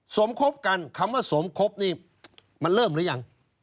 สมคบกันคำว่าสมคบนี่มันเริ่มหรือยัง